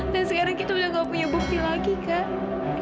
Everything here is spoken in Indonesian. dan sekarang kita sudah tidak punya bukti lagi kak